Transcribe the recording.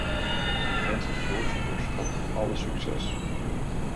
Ik wens het voorzitterschap alle succes!